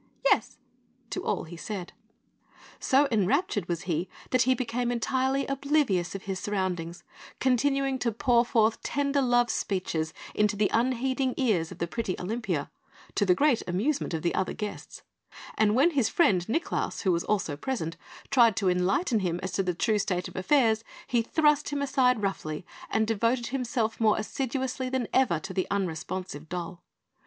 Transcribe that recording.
Yes!" to all he said. So enraptured was he that he became entirely oblivious of his surroundings, continuing to pour forth tender love speeches into the unheeding ears of the pretty Olympia, to the great amusement of the other guests; and when his friend, Nicklaus, who was also present, tried to enlighten him as to the true state of affairs, he thrust him aside roughly, and devoted himself more assiduously than ever to the unresponsive doll.